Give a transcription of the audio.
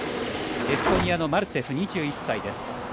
エストニアのマルツェフ２１歳です。